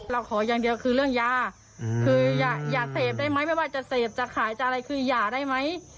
ขออย่างเดียวคือเรื่องยาคืออย่าเสพได้ไหมไม่ว่าจะเสพจะขายจะอะไรคือหย่าได้ไหม